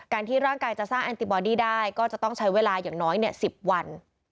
ที่ร่างกายจะสร้างแอนติบอดี้ได้ก็จะต้องใช้เวลาอย่างน้อย๑๐วัน